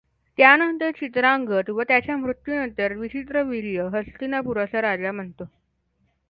त्यानंतर चित्रांगद व त्याच्या मृत्यूनंतर विचित्रवीर्य हस्तिनापूरचा राजा बनतो.